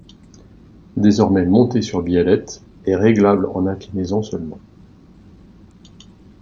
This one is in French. Désormais monté sur biellettes et réglable en inclinaison seulement.